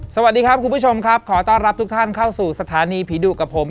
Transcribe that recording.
สวัสดีครับคุณผู้ชมครับขอต้อนรับทุกท่านเข้าสู่สถานีผีดุกับผม